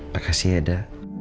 makasih ya da